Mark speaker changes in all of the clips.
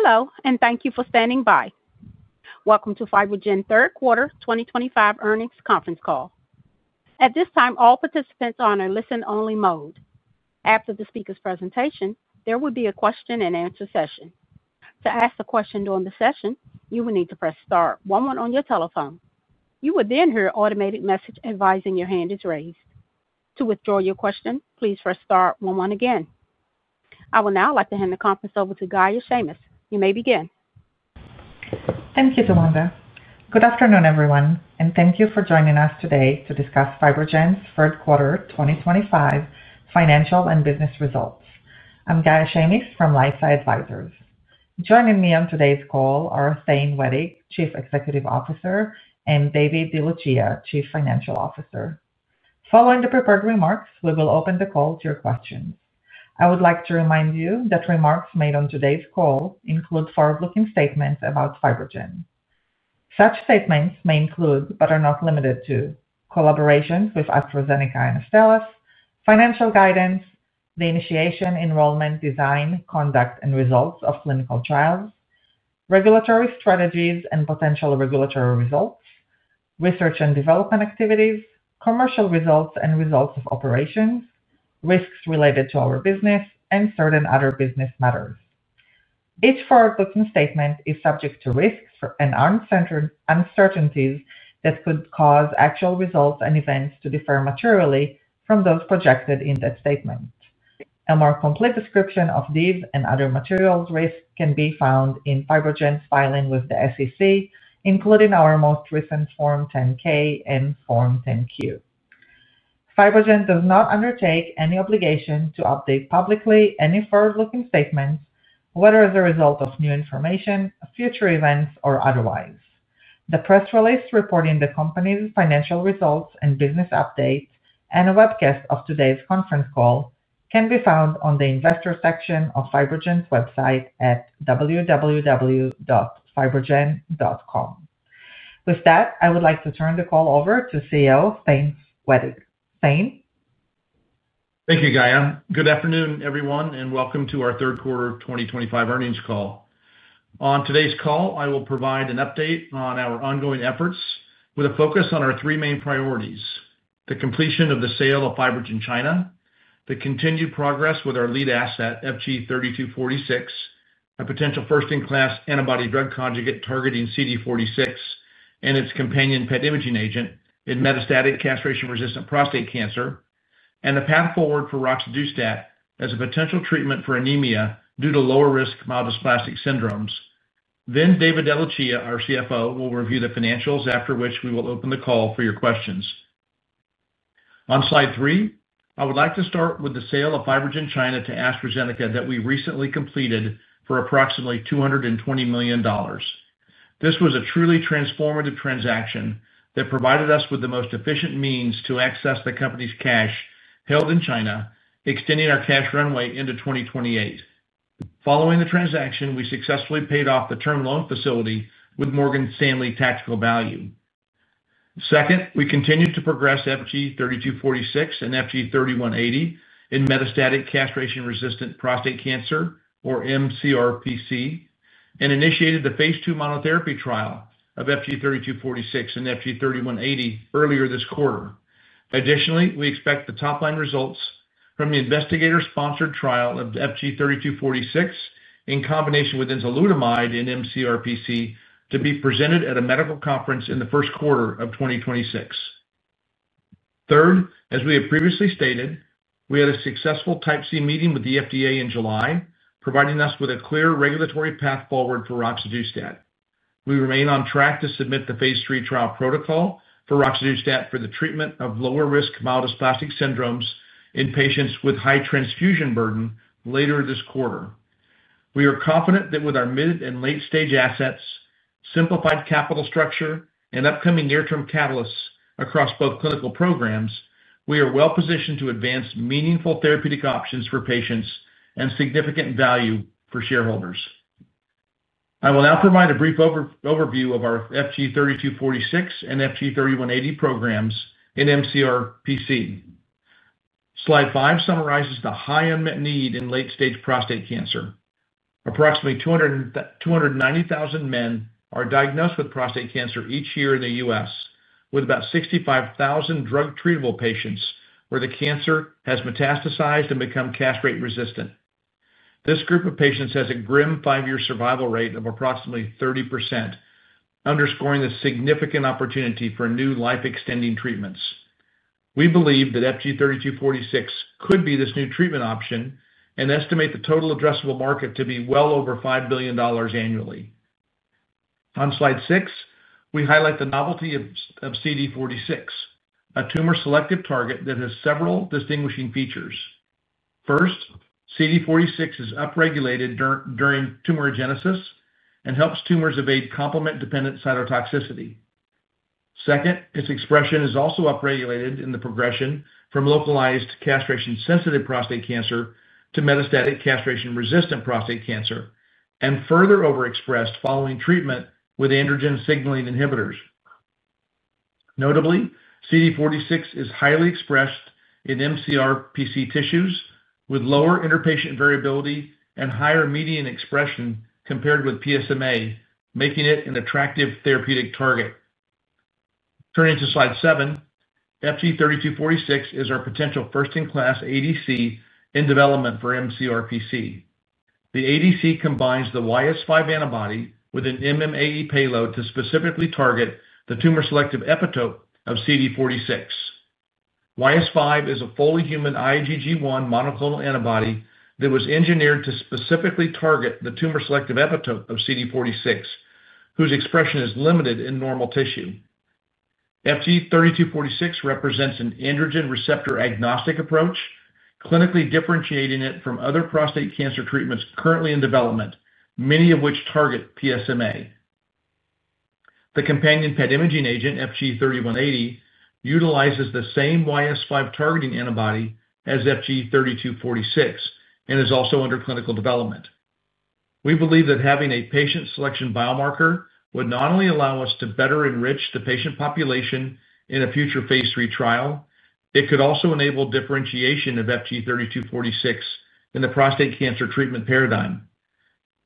Speaker 1: Hello, and thank you for standing by. Welcome to FibroGen Third Quarter 2025 earnings conference call. At this time, all participants are on a listen-only mode. After the speaker's presentation, there will be a question-and-answer session. To ask a question during the session, you will need to press star one one on your telephone. You will then hear an automated message advising your hand is raised. To withdraw your question, please press star one one again. I would now like to hand the conference over to Gaia Shamis You may begin.
Speaker 2: Thank you, Samantha. Good afternoon, everyone, and thank you for joining us today to discuss FibroGen Q3 2025 financial and business results. I'm Gaia Shamis from LifeSci Advisors. Joining me on today's call are Thane Wettig, Chief Executive Officer, and David DeLucia, Chief Financial Officer. Following the prepared remarks, we will open the call to your questions. I would like to remind you that remarks made on today's call include forward-looking statements about FibroGen. Such statements may include, but are not limited to, collaborations with AstraZeneca and Astellas, financial guidance, the initiation, enrollment, design, conduct, and results of clinical trials, regulatory strategies and potential regulatory results, research and development activities, commercial results and results of operations, risks related to our business, and certain other business matters. Each forward-looking statement is subject to risks and uncertainties that could cause actual results and events to differ materially from those projected in that statement. A more complete description of these and other materials' risks can be found in FibroGen's filing with the SEC, including our most recent Form 10-K and Form 10-Q. FibroGen does not undertake any obligation to update publicly any forward-looking statements, whether as a result of new information, future events, or otherwise. The press release reporting the company's financial results and business update, and a webcast of today's conference call, can be found on the investor section of FibroGen's website at www.fibrogen.com. With that, I would like to turn the call over to CEO Thane Wettig. Thane.
Speaker 3: Thank you, Gaia. Good afternoon, everyone, and welcome to our Third Quarter 2025 earnings call. On today's call, I will provide an update on our ongoing efforts with a focus on our three main priorities: the completion of the sale of FibroGen China, the continued progress with our lead asset, FG-3246, a potential first-in-class antibody-drug conjugate targeting CD46 and its companion PET imaging agent in metastatic castration-resistant prostate cancer, and the path forward for Roxadustat as a potential treatment for anemia due to lower-risk myelodysplastic syndromes. Then David DeLucia, our CFO, will review the financials, after which we will open the call for your questions. On slide three, I would like to start with the sale of FibroGen China to AstraZeneca that we recently completed for approximately $220 million. This was a truly transformative transaction that provided us with the most efficient means to access the company's cash held in China, extending our cash runway into 2028. Following the transaction, we successfully paid off the term loan facility with Morgan Stanley Tactical Value. Second, we continued to progress FG-3246 and FG-3180 in metastatic castration-resistant prostate cancer, or mCRPC, and initiated the phase II monotherapy trial of FG-3246 and FG-3180 earlier this quarter. Additionally, we expect the top-line results from the investigator-sponsored trial of FG-3246 in combination with enzalutamide and mCRPC to be presented at a medical conference in the first quarter of 2026. Third, as we have previously stated, we had a successful Type C meeting with the FDA in July, providing us with a clear regulatory path forward for Roxadustat. We remain on track to submit the phase III trial protocol for Roxadustat for the treatment of lower-risk myelodysplastic syndromes in patients with high transfusion burden later this quarter. We are confident that with our mid and late-stage assets, simplified capital structure, and upcoming near-term catalysts across both clinical programs, we are well-positioned to advance meaningful therapeutic options for patients and significant value for shareholders. I will now provide a brief overview of our FG-3246 and FG-3180 programs in mCRPC. Slide five summarizes the high unmet need in late-stage prostate cancer. Approximately 290,000 men are diagnosed with prostate cancer each year in the U.S., with about 65,000 drug-treatable patients where the cancer has metastasized and become castrate-resistant. This group of patients has a grim five-year survival rate of approximately 30%, underscoring the significant opportunity for new life-extending treatments. We believe that FG-3246 could be this new treatment option and estimate the total addressable market to be well over $5 billion annually. On slide six, we highlight the novelty of CD46, a tumor-selective target that has several distinguishing features. First, CD46 is upregulated during tumorogenesis and helps tumors evade complement-dependent cytotoxicity. Second, its expression is also upregulated in the progression from localized castration-sensitive prostate cancer to metastatic castration-resistant prostate cancer and further overexpressed following treatment with androgen signaling inhibitors. Notably, CD46 is highly expressed in mCRPC tissues with lower interpatient variability and higher median expression compared with PSMA, making it an attractive therapeutic target. Turning to slide seven, FG-3246 is our potential first-in-class ADC in development for mCRPC. The ADC combines the YS5 antibody with an MMAE payload to specifically target the tumor-selective epitope of CD46. YS5 is a fully human IgG1 monoclonal antibody that was engineered to specifically target the tumor-selective epitope of CD46, whose expression is limited in normal tissue. FG-3246 represents an androgen receptor agnostic approach, clinically differentiating it from other prostate cancer treatments currently in development, many of which target PSMA. The companion PET imaging agent, FG-3180, utilizes the same YS5 targeting antibody as FG-3246 and is also under clinical development. We believe that having a patient selection biomarker would not only allow us to better enrich the patient population in a future phase III trial, it could also enable differentiation of FG-3246 in the prostate cancer treatment paradigm.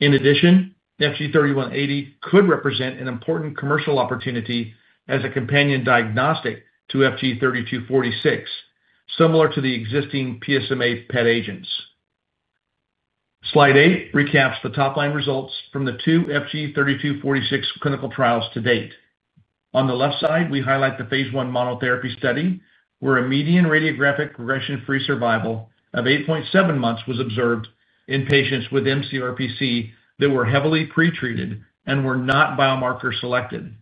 Speaker 3: In addition, FG-3180 could represent an important commercial opportunity as a companion diagnostic to FG-3246, similar to the existing PSMA PET agents. Slide eight recaps the top-line results from the two FG-3246 clinical trials to date. On the left side, we highlight the phase I monotherapy study where a median radiographic progression-free survival of 8.7 months was observed in patients with mCRPC that were heavily pretreated and were not biomarker-selected.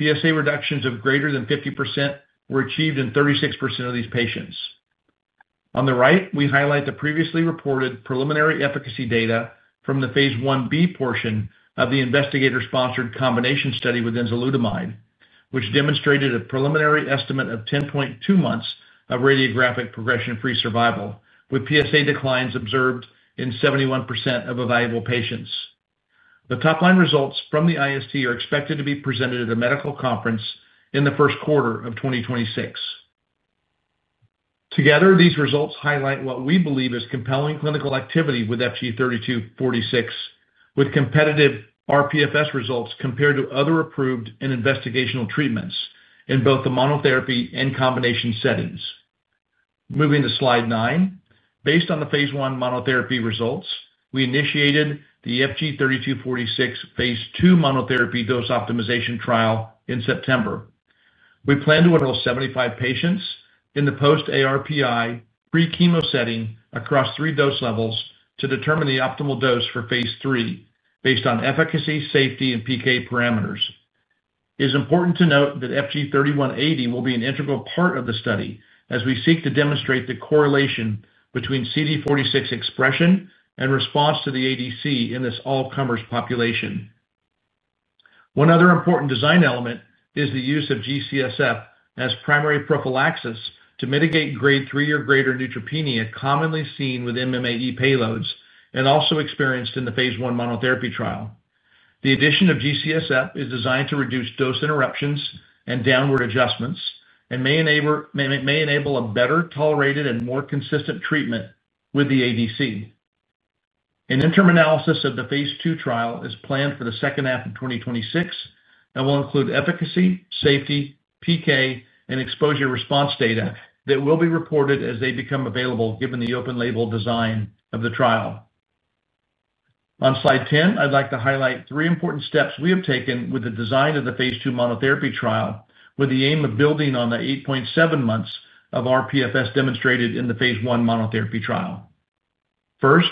Speaker 3: PSA reductions of greater than 50% were achieved in 36% of these patients. On the right, we highlight the previously reported preliminary efficacy data from the phase Ib portion of the investigator-sponsored combination study with enzalutamide, which demonstrated a preliminary estimate of 10.2 months of radiographic progression-free survival, with PSA declines observed in 71% of available patients. The top-line results from the IST are expected to be presented at a medical conference in the first quarter of 2026. Together, these results highlight what we believe is compelling clinical activity with FG-3246, with competitive RPFS results compared to other approved and investigational treatments in both the monotherapy and combination settings. Moving to slide nine, based on the phase I one monotherapy results, we initiated the FG-3246 phase II monotherapy dose optimization trial in September. We plan to enroll 75 patients in the post-ARPI pre-chemo setting across three dose levels to determine the optimal dose for phase III based on efficacy, safety, and PK parameters. It is important to note that FG-3180 will be an integral part of the study as we seek to demonstrate the correlation between CD46 expression and response to the ADC in this all-comers population. One other important design element is the use of G-CSF as primary prophylaxis to mitigate grade three or greater neutropenia commonly seen with MMAE payloads and also experienced in the phase I monotherapy trial. The addition of G-CSF is designed to reduce dose interruptions and downward adjustments and may enable a better tolerated and more consistent treatment with the ADC. An interim analysis of the phase II trial is planned for the second half of 2026 and will include efficacy, safety, PK, and exposure response data that will be reported as they become available given the open-label design of the trial. On slide ten, I'd like to highlight three important steps we have taken with the design of the phase II monotherapy trial with the aim of building on the 8.7 months of RPFS demonstrated in the phase I monotherapy trial. First,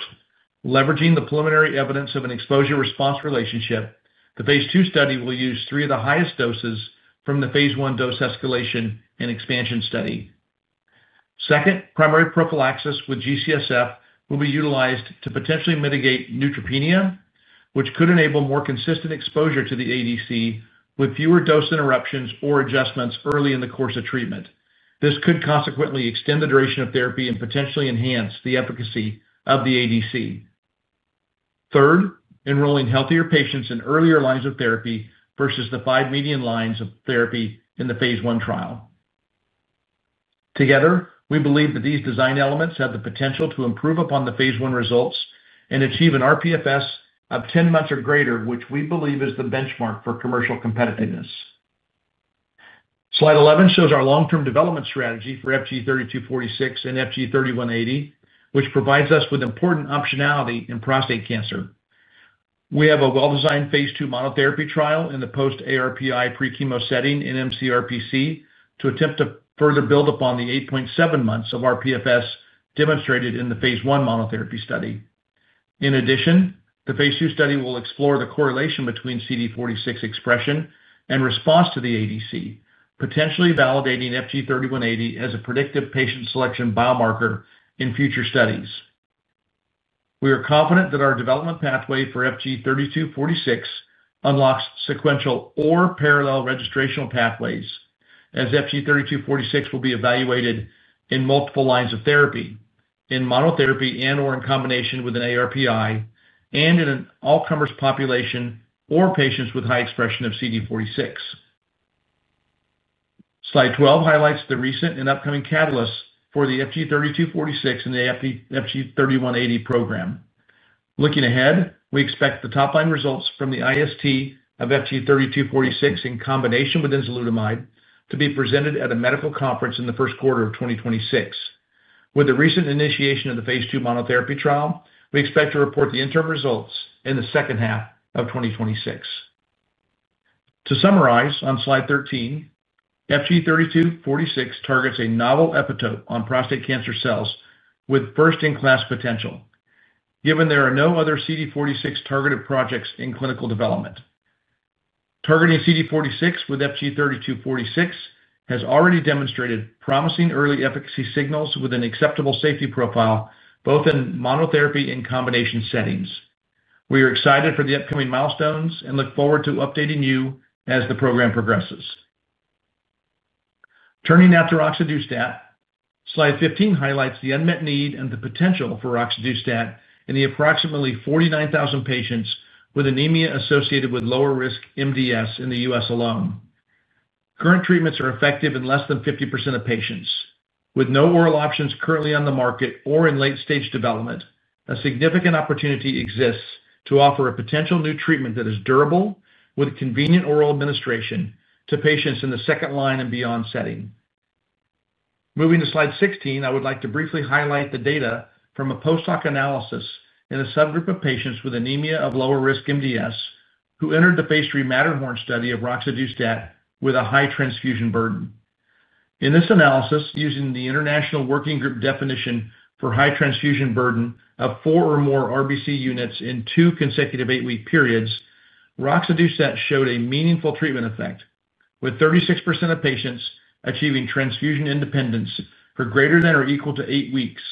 Speaker 3: leveraging the preliminary evidence of an exposure response relationship, the phase II study will use three of the highest doses from the phase I dose escalation and expansion study. Second, primary prophylaxis with GCSF will be utilized to potentially mitigate neutropenia, which could enable more consistent exposure to the ADC with fewer dose interruptions or adjustments early in the course of treatment. This could consequently extend the duration of therapy and potentially enhance the efficacy of the ADC. Third, enrolling healthier patients in earlier lines of therapy versus the five median lines of therapy in the phase I trial. Together, we believe that these design elements have the potential to improve upon the phase I results and achieve an RPFS of 10 months or greater, which we believe is the benchmark for commercial competitiveness. Slide 11 shows our long-term development strategy for FG-3246 and FG-3180, which provides us with important optionality in prostate cancer. We have a well-designed phase II monotherapy trial in the post-ARPI pre-chemo setting in mCRPC to attempt to further build upon the 8.7 months of RPFS demonstrated in the phase I monotherapy study. In addition, the phase II study will explore the correlation between CD46 expression and response to the ADC, potentially validating FG-3180 as a predictive patient selection biomarker in future studies. We are confident that our development pathway for FG-3246 unlocks sequential or parallel registrational pathways as FG- 3246 will be evaluated in multiple lines of therapy, in monotherapy and/or in combination with an ARPI, and in an all-comers population or patients with high expression of CD46. Slide 12 highlights the recent and upcoming catalysts for the FG-3246 and the FG-3180 program. Looking ahead, we expect the top-line results from the IST of FG-3246 in combination with enzalutamide to be presented at a medical conference in the first quarter of 2026. With the recent initiation of the phase two monotherapy trial, we expect to report the interim results in the second half of 2026. To summarize, on slide 13, FG-3246 targets a novel epitope on prostate cancer cells with first-in-class potential, given there are no other CD46 targeted projects in clinical development. Targeting CD46 with FG-3246 has already demonstrated promising early efficacy signals with an acceptable safety profile both in monotherapy and combination settings. We are excited for the upcoming milestones and look forward to updating you as the program progresses. Turning now to Roxadustat, slide 15 highlights the unmet need and the potential for Roxadustat in the approximately 49,000 patients with anemia associated with lower risk MDS in the U.S. alone. Current treatments are effective in less than 50% of patients. With no oral options currently on the market or in late-stage development, a significant opportunity exists to offer a potential new treatment that is durable with convenient oral administration to patients in the second line and beyond setting. Moving to slide 16, I would like to briefly highlight the data from a post-hoc analysis in a subgroup of patients with anemia of lower risk MDS who entered the phase III Matterhorn study of Roxadustat with a high transfusion burden. In this analysis, using the International Working Group definition for high transfusion burden of four or more RBC units in two consecutive eight-week periods, Roxadustat showed a meaningful treatment effect, with 36% of patients achieving transfusion independence for greater than or equal to eight weeks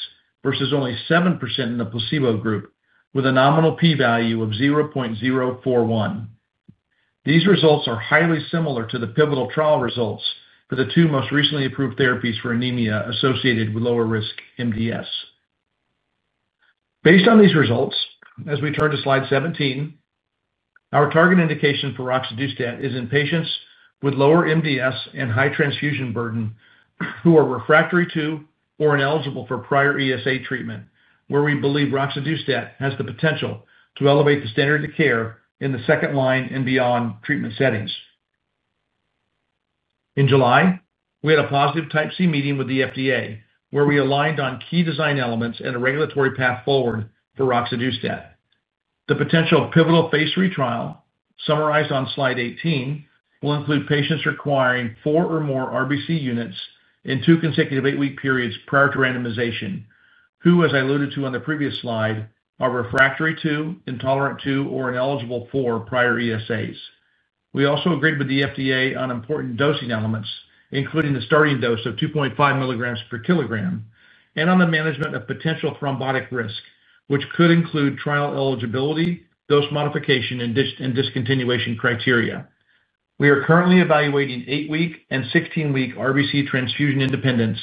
Speaker 3: versus only 7% in the placebo group, with a nominal P value of 0.041. These results are highly similar to the pivotal trial results for the two most recently approved therapies for anemia associated with lower risk MDS. Based on these results, as we turn to slide 17, our target indication for Roxadustat is in patients with lower MDS and high transfusion burden who are refractory to or ineligible for prior ESA treatment, where we believe Roxadustat has the potential to elevate the standard of care in the second line and beyond treatment settings. In July, we had a positive Type C meeting with the FDA, where we aligned on key design elements and a regulatory path forward for Roxadustat. The potential pivotal phase III trial, summarized on slide 18, will include patients requiring four or more RBC units in two consecutive eight-week periods prior to randomization, who, as I alluded to on the previous slide, are refractory to, intolerant to, or ineligible for prior ESAs. We also agreed with the FDA on important dosing elements, including the starting dose of 2.5 mg per kg and on the management of potential thrombotic risk, which could include trial eligibility, dose modification, and discontinuation criteria. We are currently evaluating eight-week and 16-week RBC transfusion independence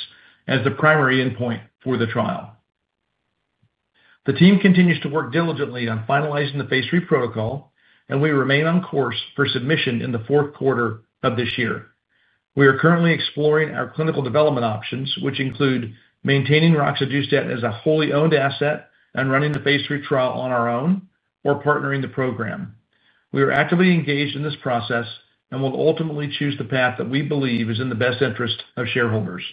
Speaker 3: as the primary endpoint for the trial. The team continues to work diligently on finalizing the phase III protocol, and we remain on course for submission in the fourth quarter of this year. We are currently exploring our clinical development options, which include maintaining Roxadustat as a wholly owned asset and running the phase III trial on our own or partnering the program. We are actively engaged in this process and will ultimately choose the path that we believe is in the best interest of shareholders.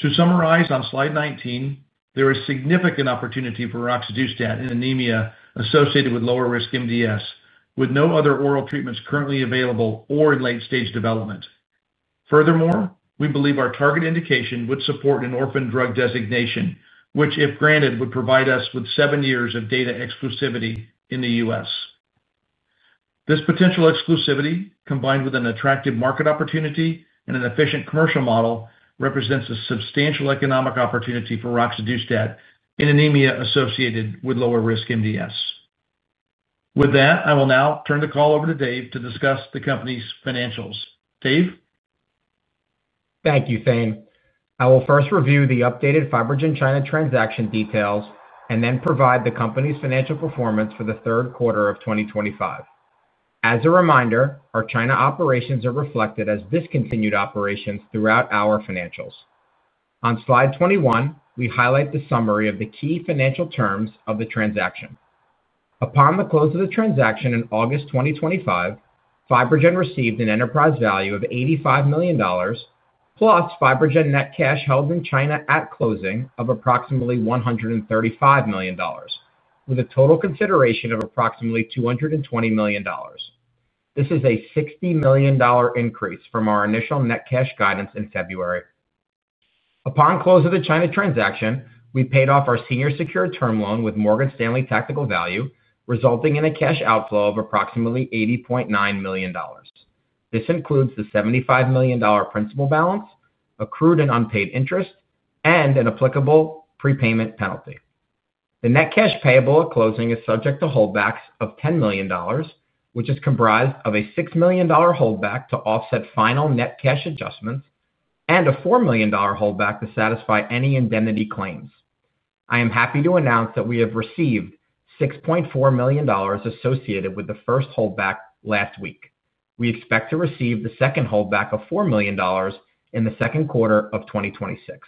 Speaker 3: To summarize, on slide 19, there is significant opportunity for Roxadustat in anemia associated with lower risk MDS, with no other oral treatments currently available or in late-stage development. Furthermore, we believe our target indication would support an orphan drug designation, which, if granted, would provide us with seven years of data exclusivity in the U.S., This potential exclusivity, combined with an attractive market opportunity and an efficient commercial model, represents a substantial economic opportunity for Roxadustat in anemia associated with lower risk MDS. With that, I will now turn the call over to Dave to discuss the company's financials. Dave?
Speaker 4: Thank you, Thane. I will first review the updated FibroGen China transaction details and then provide the company's financial performance for the third quarter of 2025. As a reminder, our China operations are reflected as discontinued operations throughout our financials. On slide 21, we highlight the summary of the key financial terms of the transaction. Upon the close of the transaction in August 2025, FibroGen received an enterprise value of $85 million, plus FibroGen net cash held in China at closing of approximately $135 million, with a total consideration of approximately $220 million. This is a $60 million increase from our initial net cash guidance in February. Upon close of the China transaction, we paid off our senior secure term loan with Morgan Stanley tactical value, resulting in a cash outflow of approximately $80.9 million. This includes the $75 million principal balance, accrued and unpaid interest, and an applicable prepayment penalty. The net cash payable at closing is subject to holdbacks of $10 million, which is comprised of a $6 million holdback to offset final net cash adjustments and a $4 million holdback to satisfy any indemnity claims. I am happy to announce that we have received $6.4 million associated with the first holdback last week. We expect to receive the second holdback of $4 million in the second quarter of 2026.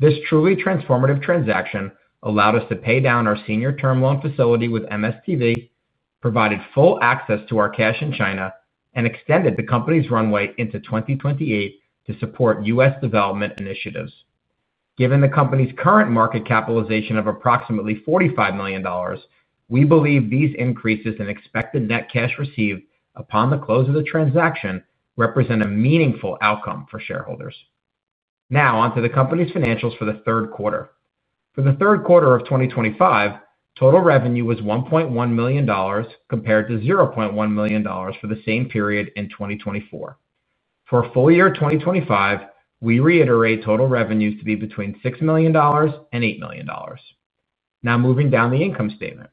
Speaker 4: This truly transformative transaction allowed us to pay down our senior term loan facility with MSTV, provided full access to our cash in China, and extended the company's runway into 2028 to support US development initiatives. Given the company's current market capitalization of approximately $45 million, we believe these increases in expected net cash received upon the close of the transaction represent a meaningful outcome for shareholders. Now, on to the company's financials for the third quarter. For the third quarter of 2025, total revenue was $1.1 million compared to $0.1 million for the same period in 2024. For full year 2025, we reiterate total revenues to be between $6 million and $8 million. Now, moving down the income statement,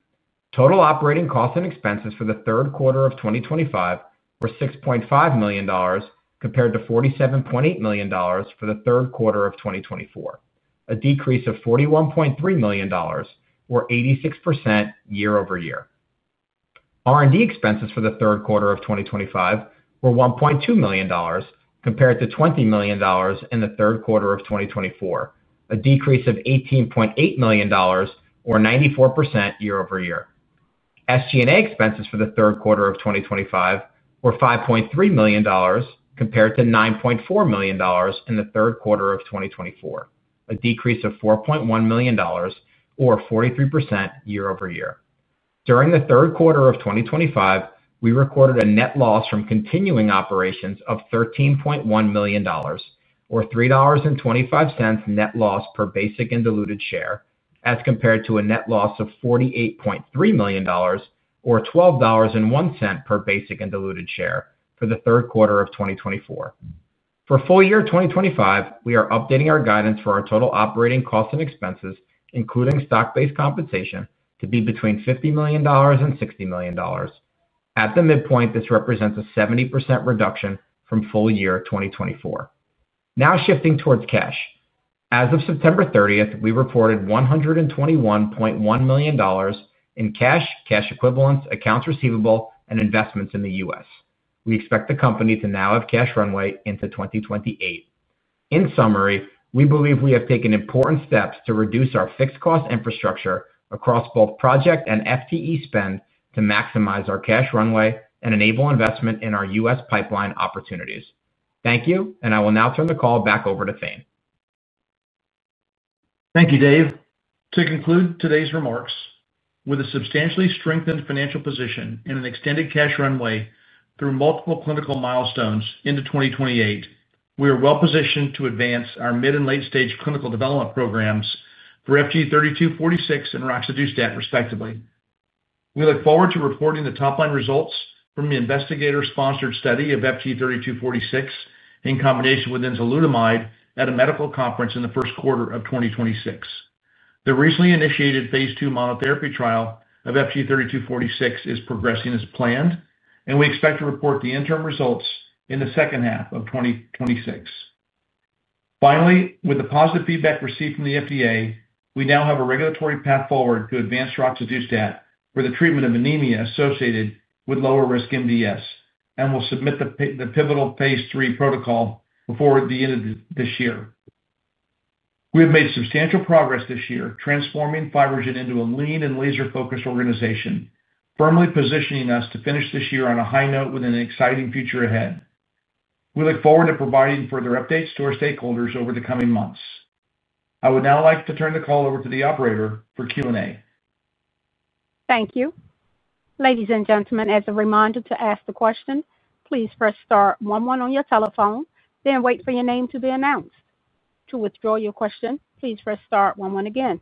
Speaker 4: total operating costs and expenses for the third quarter of 2025 were $6.5 million compared to $47.8 million for the third quarter of 2024, a decrease of $41.3 million or 86% year over year. R&D expenses for the third quarter of 2025 were $1.2 million compared to $20 million in the third quarter of 2024, a decrease of $18.8 million or 94% year over year. SG&A expenses for the third quarter of 2025 were $5.3 million compared to $9.4 million in the third quarter of 2024, a decrease of $4.1 million or 43% year over year. During the third quarter of 2025, we recorded a net loss from continuing operations of $13.1 million or $3.25 net loss per basic and diluted share as compared to a net loss of $48.3 million or $12.01 per basic and diluted share for the third quarter of 2024. For full year 2025, we are updating our guidance for our total operating costs and expenses, including stock-based compensation, to be between $50 million and $60 million. At the midpoint, this represents a 70% reduction from full year 2024. Now, shifting towards cash. As of September 30th, we reported $121.1 million in cash, cash equivalents, accounts receivable, and investments in the U.S., We expect the company to now have cash runway into 2028. In summary, we believe we have taken important steps to reduce our fixed cost infrastructure across both project and FTE spend to maximize our cash runway and enable investment in our US pipeline opportunities. Thank you, and I will now turn the call back over to Thane.
Speaker 3: Thank you, Dave. To conclude today's remarks, with a substantially strengthened financial position and an extended cash runway through multiple clinical milestones into 2028, we are well positioned to advance our mid and late-stage clinical development programs for FG-3246 and Roxadustat, respectively. We look forward to reporting the top-line results from the investigator-sponsored study of FG-3246 in combination with enzalutamide at a medical conference in the first quarter of 2026. The recently initiated phase II monotherapy trial of FG-3246 is progressing as planned, and we expect to report the interim results in the second half of 2026. Finally, with the positive feedback received from the FDA, we now have a regulatory path forward to advance Roxadustat for the treatment of anemia associated with lower risk MDS and will submit the pivotal phase III- protocol before the end of this year. We have made substantial progress this year, transforming FibroGen into a lean and laser-focused organization, firmly positioning us to finish this year on a high note with an exciting future ahead. We look forward to providing further updates to our stakeholders over the coming months. I would now like to turn the call over to the operator for Q&A.
Speaker 1: Thank you. Ladies and gentlemen, as a reminder to ask the question, please press star one one on your telephone, then wait for your name to be announced. To withdraw your question, please press star one one again.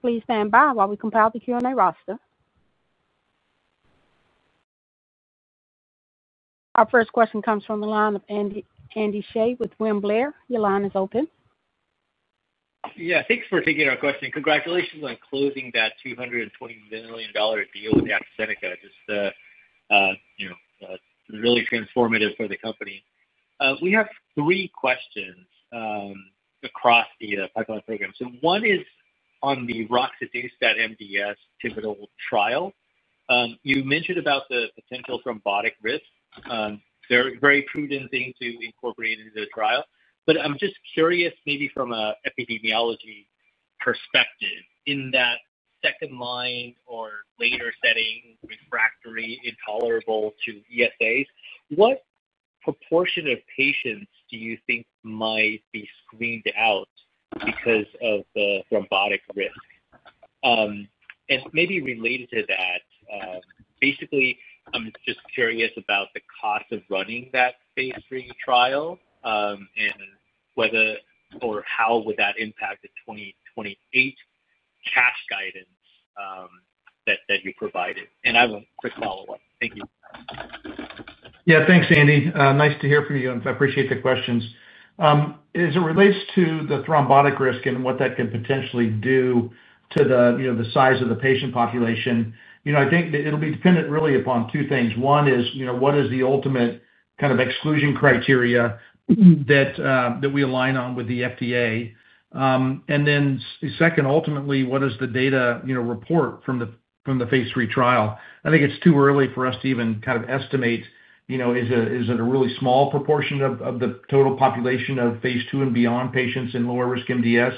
Speaker 1: Please stand by while we compile the Q&A roster. Our first question comes from the line of Andy Hsieh with William Blair. Your line is open.
Speaker 5: Yeah, thanks for taking our question. Congratulations on closing that $220 million deal with AstraZeneca. Just, you know, really transformative for the company. we have three questions, across the, pipeline program. So one is on the Roxadustat MDS pivotal trial. you mentioned about the potential thrombotic risk. very, very prudent thing to incorporate into the trial. But I'm just curious, maybe from an epidemiology perspective, in that second line or later setting, refractory, intolerable to ESAs, what proportion of patients do you think might be screened out because of the thrombotic risk? and maybe related to that, basically, I'm just curious about the cost of running that phase III trial, and whether or how would that impact the 2028 CAHPS guidance, that that you provided. And I have a quick follow-up. Thank you.
Speaker 3: Yeah, thanks, Andy. nice to hear from you. I appreciate the questions. as it relates to the thrombotic risk and what that could potentially do to the, you know, the size of the patient population, you know, I think it'll be dependent really upon two things. One is, you know, what is the ultimate kind of exclusion criteria that, that we align on with the FDA? and then second, ultimately, what does the data, you know, report from the from the phase III trial? I think it's too early for us to even kind of estimate, you know, is it a really small proportion of the total population of phase tII and beyond patients in lower risk MDS,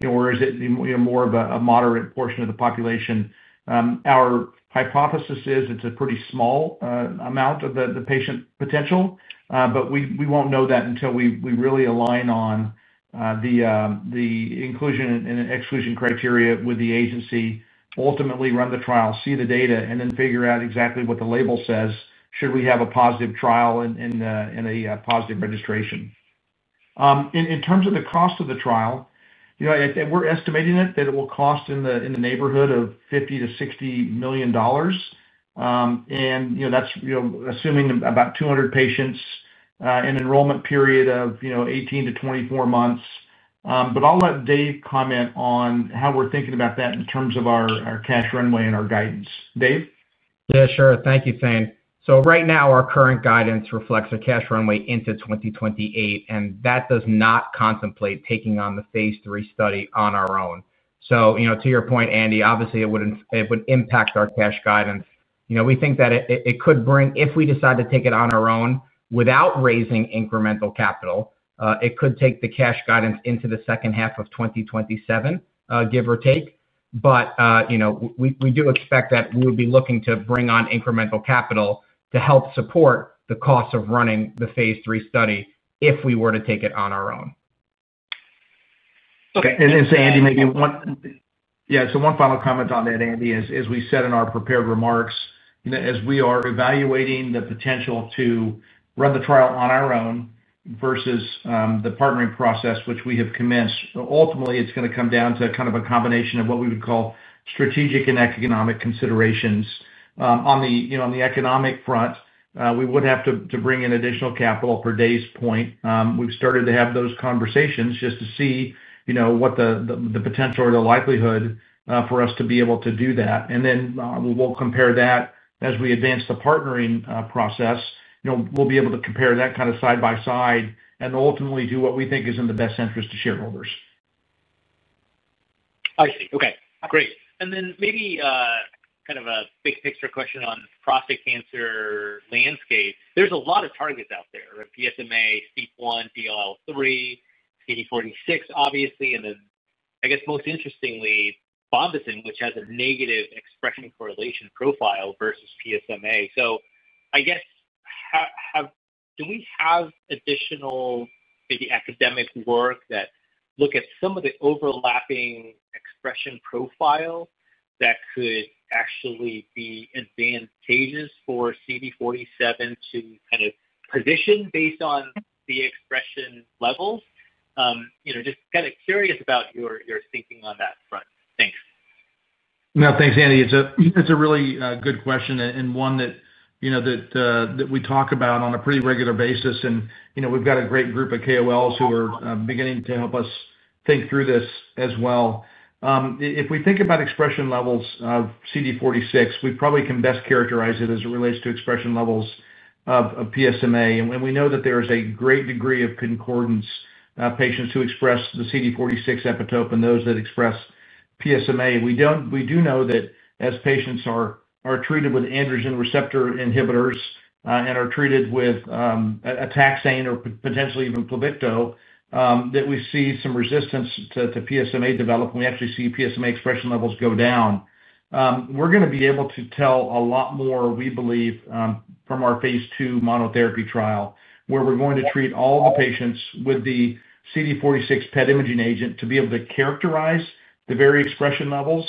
Speaker 3: you know, or is it, you know, more of a moderate portion of the population? our hypothesis is it's a pretty small, amount of the the patient potential, but we we won't know that until we we really align on, the, the inclusion and exclusion criteria with the agency, ultimately run the trial, see the data, and then figure out exactly what the label says should we have a positive trial and and a and a positive registration. in in terms of the cost of the trial, you know, we're estimating it that it will cost in the in the neighborhood of $50 to $60 million. and, you know, that's, you know, assuming about 200 patients, an enrollment period of, you know, 18 to 24 months. but I'll let Dave comment on how we're thinking about that in terms of our our cash runway and our guidance. Dave?
Speaker 4: Yeah, sure. Thank you, Thane. So right now, our current guidance reflects a cash runway into 2028, and that does not contemplate taking on the phase III study on our own. So, you know, to your point, Andy, obviously, it would it would impact our cash guidance. You know, we think that it it could bring, if we decide to take it on our own without raising incremental capital, it could take the cash guidance into the second half of 2027, give or take. But, you know, we we do expect that we would be looking to bring on incremental capital to help support the cost of running the phase III study if we were to take it on our own.
Speaker 5: Okay.
Speaker 3: And then, say, Andy, maybe one yeah, so one final comment on that, Andy, is, as we said in our prepared remarks, you know, as we are evaluating the potential to run the trial on our own versus, the partnering process, which we have commenced, ultimately, it's going to come down to kind of a combination of what we would call strategic and economic considerations. on the, you know, on the economic front, we would have to to bring in additional capital per day's point. we've started to have those conversations just to see, you know, what the the the potential or the likelihood, for us to be able to do that. And then we'll compare that as we advance the partnering, process. You know, we'll be able to compare that kind of side by side and ultimately do what we think is in the best interest of shareholders.
Speaker 5: I see. Okay. Great. And then maybe, kind of a big picture question on prostate cancer landscape. There's a lot of targets out there: PSMA, C1, DLL3, CD46, obviously, and then, I guess, most interestingly, Bombazin, which has a negative expression correlation profile versus PSMA. So I guess, have have do we have additional, maybe, academic work that look at some of the overlapping expression profile that could actually be advantageous for CD47 to kind of position based on the expression levels? you know, just kind of curious about your your thinking on that front. Thanks.
Speaker 3: No, thanks, Andy. It's a it's a really, good question and one that, you know, that, that we talk about on a pretty regular basis. And, you know, we've got a great group of KOLs who are, beginning to help us think through this as well. if we think about expression levels of CD46, we probably can best characterize it as it relates to expression levels of of PSMA. And we know that there is a great degree of concordance, patients who express the CD46 epitope and those that express PSMA. We don't we do know that as patients are are treated with androgen receptor inhibitors, and are treated with, atoxane or potentially even Plevicto, that we see some resistance to to PSMA develop, and we actually see PSMA expression levels go down. we're going to be able to tell a lot more, we believe, from our phase II monotherapy trial, where we're going to treat all the patients with the CD46 PET imaging agent to be able to characterize the very expression levels.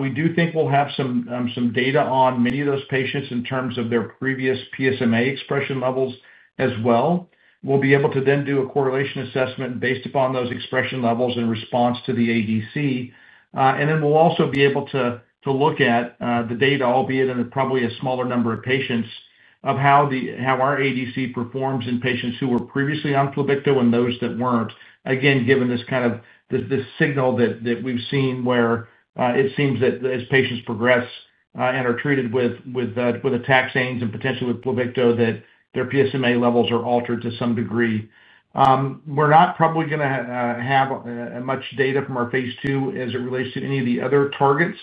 Speaker 3: we do think we'll have some some data on many of those patients in terms of their previous PSMA expression levels as well. We'll be able to then do a correlation assessment based upon those expression levels in response to the ADC. and then we'll also be able to to look at, the data, albeit in probably a smaller number of patients, of how the how our ADC performs in patients who were previously on Plevicto and those that weren't, again, given this kind of this this signal that that we've seen where, it seems that as patients progress, and are treated with with, with atoxanes and potentially with Plevicto, that their PSMA levels are altered to some degree. we're not probably going to, have much data from our phase II as it relates to any of the other targets.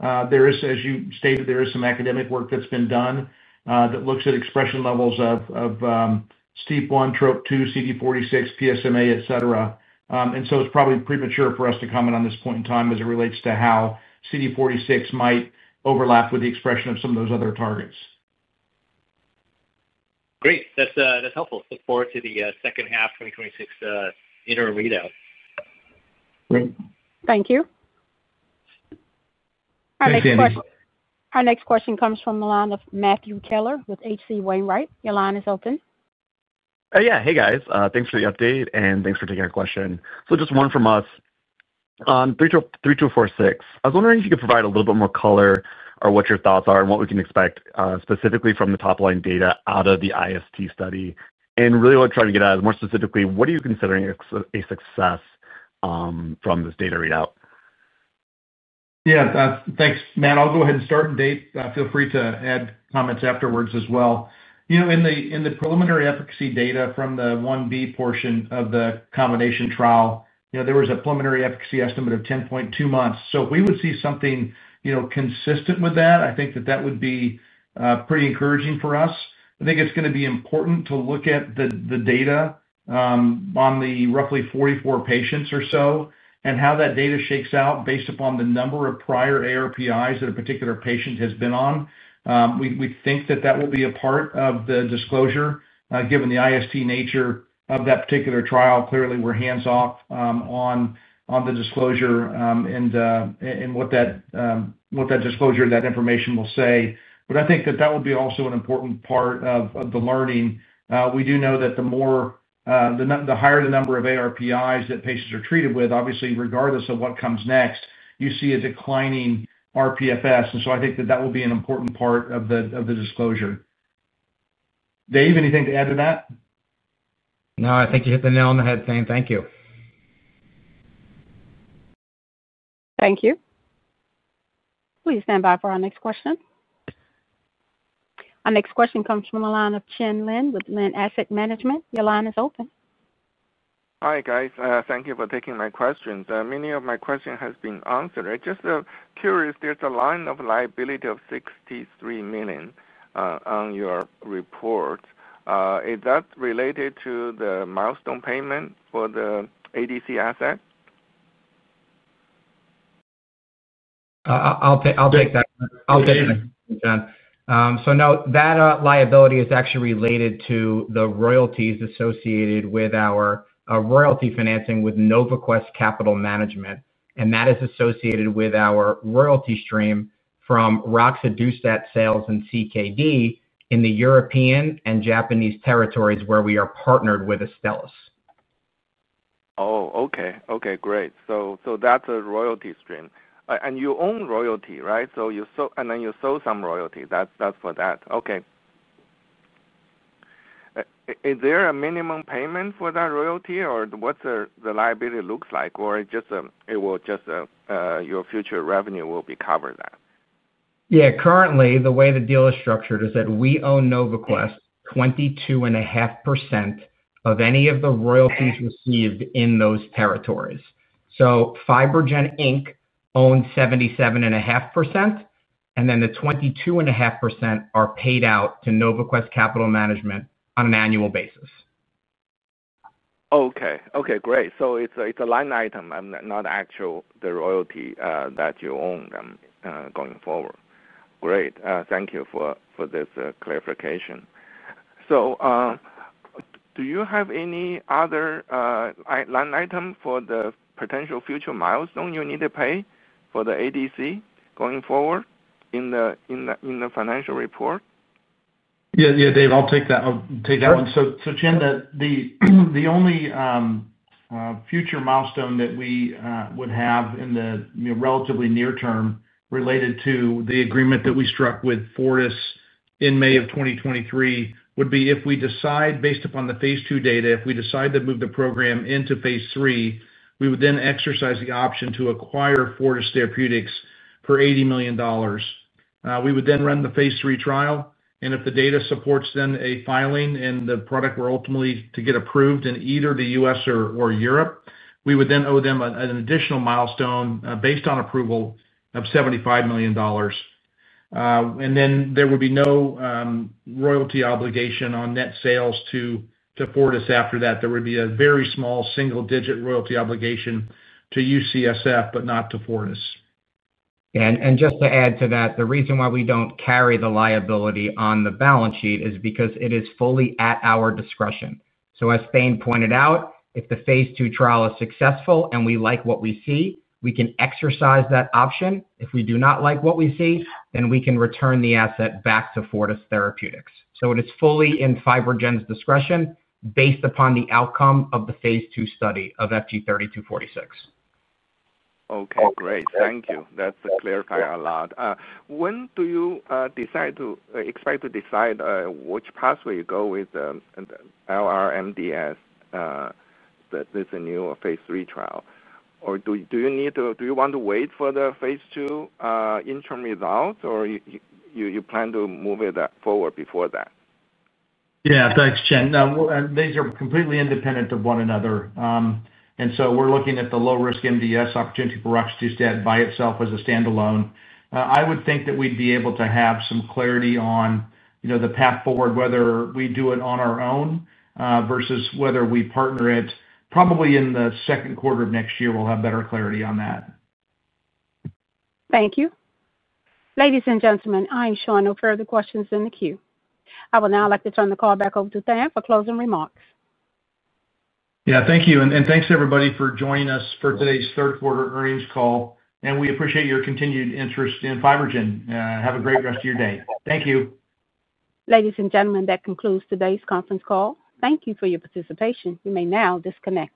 Speaker 3: there is, as you stated, there is some academic work that's been done, that looks at expression levels of of, steep 1, trope 2, CD46, PSMA, et cetera. and so it's probably premature for us to comment on this point in time as it relates to how CD46 might overlap with th e expression of some of those other targets. Great. That's, that's helpful. Look forward to the, second half 2026, interim readout.
Speaker 5: Great.
Speaker 1: Thank you. Our next question our next question comes from the line of Matthew Keller with H.C. Wainwright. Your line is open.
Speaker 6: Oh, yeah. Hey, guys. thanks for the update, and thanks for taking our question. So just one from us on 3246. I was wondering if you could provide a little bit more color or what your thoughts are and what we can expect, specifically from the top-line data out of the IST study. And really what I'm trying to get out is more specifically, what are you considering a success, from this data readout?
Speaker 3: Yeah, thanks, Matt. I'll go ahead and start and Dave, feel free to add comments afterwards as well. You know, in the in the preliminary efficacy data from the 1b portion of the combination trial, you know, there was a preliminary efficacy estimate of 10.2 months. So if we would see something, you know, consistent with that, I think that that would be, pretty encouraging for us. I think it's going to be important to look at the the data, on the roughly 44 patients or so and how that data shakes out based upon the number of prior ARPIs that a particular patient has been on. we we think that that will be a part of the disclosure, given the IST nature of that particular trial. Clearly, we're hands-off, on on the disclosure, and, and what that, what that disclosure, that information will say. But I think that that will be also an important part of of the learning. we do know that the more, the the higher the number of ARPIs that patients are treated with, obviously, regardless of what comes next, you see a declining RPFS. And so I think that that will be an important part of the of the disclosure. Dave, anything to add to that?
Speaker 4: No, I think you hit the nail on the head, Thane. Thank you.
Speaker 1: Thank you. Please stand by for our next question. Our next question comes from the line of Chen Lin with Lin Asset Management. Your line is open.
Speaker 7: Hi, guys. thank you for taking my questions. many of my questions have been answered. I'm just, curious. There's a line of liability of 63 million, on your report. is that related to the milestone payment for the ADC asset?
Speaker 4: I'll take that. I'll take that, Chen. so no, that, liability is actually related to the royalties associated with our, royalty financing with NovaQuest Capital Management. And that is associated with our royalty stream from Roxadustat sales and CKD in the European and Japanese territories where we are partnered with Astellas.
Speaker 7: Oh, okay. Okay. Great. So so that's a royalty stream. And you own royalty, right? So you sold and then you sold some royalty. That's that's for that. Okay. Is there a minimum payment for that royalty, or what's the the liability looks like, or it just, it will just, your future revenue will be covered then?
Speaker 4: Yeah. Currently, the way the deal is structured is that we own NovaQuest 22.5% of any of the royalties received in those territories. So FibroGen Inc. owns 77.5%, and then the 22.5% are paid out to NovaQuest Capital Management on an annual basis.
Speaker 7: Okay. Okay. Great. So it's a it's a line item, not actual the royalty, that you own, going forward. Great. thank you for for this, clarification. So, do you have any other, line item for the potential future milestone you need to pay for the ADC going forward in the in the in the financial report?
Speaker 3: Yeah, yeah, Dave, I'll take that. I'll take that one.
Speaker 4: So, so Chen, the the only, future milestone that we, would have in the, you know, relatively near term related to the agreement that we struck with Fortis in May of 2023 would be if we decide, based upon the phase II data, if we decide to move the program into phase III we would then exercise the option to acquire Fortis Therapeutics for $80 million. we would then run the phase III trial. And if the data supports then a filing and the product were ultimately to get approved in either the U.S. or or Europe, we would then owe them an additional milestone, based on approval of $75 million. and then there would be no, royalty obligation on net sales to to Fortis after that. There would be a very small single-digit royalty obligation to UCSF, but not to Fortis.
Speaker 3: And and just to add to that, the reason why we don't carry the liability on the balance sheet is because it is fully at our discretion. So, as Thane pointed out, if the phase II trial is successful and we like what we see, we can exercise that option. If we do not like what we see, then we can return the asset back to Fortis Therapeutics. So it is fully in FibroGen's discretion based upon the outcome of the phase tII study of FG-3246.
Speaker 7: Okay. Great. Thank you. That's a clarifying a lot. when do you, decide to expect to decide, which pathway you go with, LRMDS, this new phase III trial? Or do you do you need to do you want to wait for the phase II, interim results, or you you you plan to move it forward before that?
Speaker 3: Yeah. Thanks, Chen. Now, and these are completely independent of one another. and so we're looking at the low-risk MDS opportunity for Roxadustat by itself as a standalone. I would think that we'd be able to have some clarity on, you know, the path forward, whether we do it on our own, versus whether we partner it. Probably in the second quarter of next year, we'll have better clarity on that.
Speaker 1: Thank you. Ladies and gentlemen, I am sure no further questions in the queue. I would now like to turn the call back over to Thane for closing remarks.
Speaker 3: Yeah. Thank you. And and thanks, everybody, for joining us for today's third quarter earnings call. And we appreciate your continued interest in FibroGen. have a great rest of your day. Thank you.
Speaker 1: Ladies and gentlemen, that concludes today's conference call. Thank you for your participation. You may now disconnect.